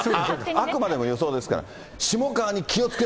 あくまでも予想ですから。